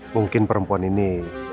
mungkin perempuan ini